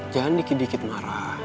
jangan dikit dikit marah